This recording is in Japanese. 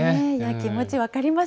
気持ち、分かります。